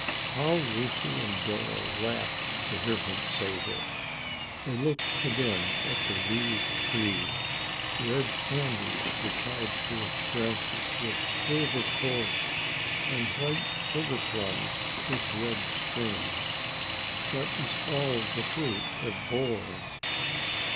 How Lucy and Dora laughed to hear him say this. They looked again at the wee tree. Red candies were tied to its branches with silver cord, and white sugar plums with red string. That was all the fruit it bore.